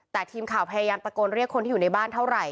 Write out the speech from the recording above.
แต่ทีมข่าวพยายามตะโกนเรียกคนที่อยู่ในบ้านเท่าไหร